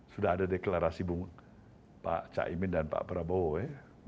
sudah ada deklarasi pak caimin dan pak prabowo ya